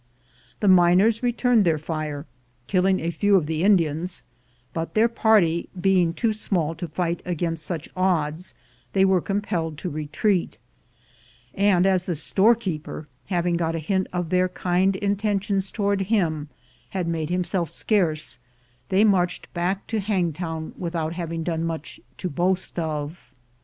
The miners returned their fire, killing a few of the Indians; but their party being too small to fight against such odds, they were compelled to retreat; and as the storekeeper, having got a hint of their kind intentions towards him, had made him INDIANS AND CHINAMEN 135 self scarce, they marched back to Hangtown with out having done much to boast of.